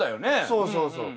そうそうそう。